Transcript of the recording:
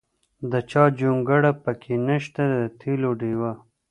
د چا جونګړه پکې نشته د تېلو ډیوه.